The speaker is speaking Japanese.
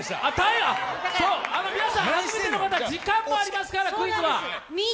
皆さん初めての方、時間もありますからクイズは。